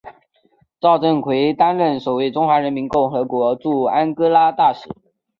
赵振魁担任首位中华人民共和国驻安哥拉大使。